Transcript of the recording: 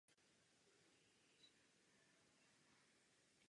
Evropané selhali.